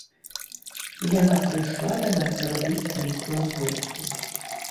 Яна прыйшла да нас зрабіць нейкую абвестку.